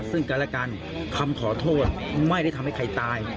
ซึ่งกันและกันคำขอโทษไม่ได้ทำให้ใครตาย